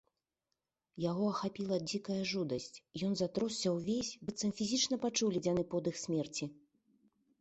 Яго ахапіла дзікая жудасць, ён затросся ўвесь, быццам фізічна пачуў ледзяны подых смерці.